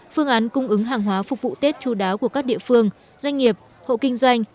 phương án cung ứng hàng hóa phục vụ tết chú đáo của các địa phương doanh nghiệp hộ kinh doanh